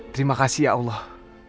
terima kasih ya allah